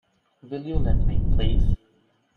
Will you let me, please?